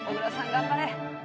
頑張れ。